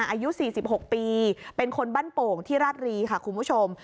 อายุ๔๖ปีเป็นคนบ้านโป่งที่ราชรีค่ะคุณผู้ชม